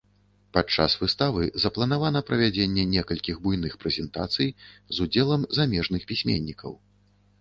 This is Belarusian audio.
Падчас выставы запланавана правядзенне некалькіх буйных прэзентацый з удзелам замежных пісьменнікаў.